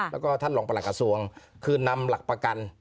แล้วก็ท่านรองประหลักกระทรวงคือนำหลักประกัน